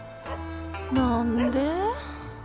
何で？